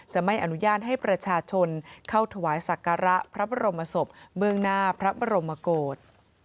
ไม่อนุญาตให้ประชาชนเข้าถวายสักการะพระบรมศพเบื้องหน้าพระบรมโกศ